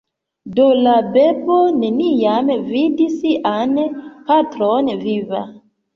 Do la bebo neniam vidis sian patron viva.